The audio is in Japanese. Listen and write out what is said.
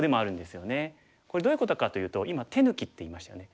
これどういうことかというと今手抜きって言いましたよね。